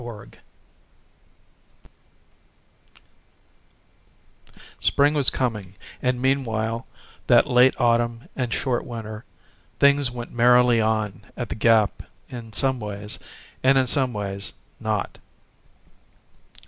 XI Spring was coming: and, meanwhile, that late autumn and short winter, things went merrily on at the gap in some ways, and in some ways not.